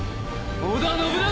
織田信長！